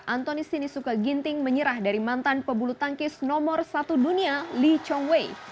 antoni sinisuka ginting menyerah dari mantan pebulu tangkis nomor satu dunia lee chong wei